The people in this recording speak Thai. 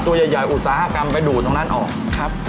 ตัวใหญ่อุตสาหกรรมไปดูดตรงนั้นออกครับ